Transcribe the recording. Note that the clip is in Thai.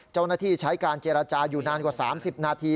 เจ้าหน้าที่ใช้การเจรจาอยู่นานกว่า๓๐นาที